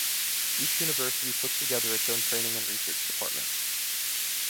Each university puts together its own training and research department.